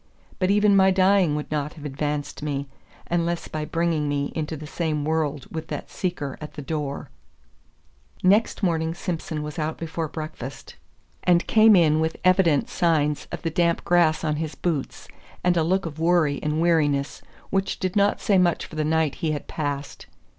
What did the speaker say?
But even my dying would not have advanced me, unless by bringing me into the same world with that seeker at the door. Next morning Simson was out before breakfast, and came in with evident signs of the damp grass on his boots, and a look of worry and weariness, which did not say much for the night he had passed.